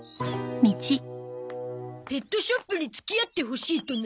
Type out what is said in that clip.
ペットショップに付き合ってほしいとな？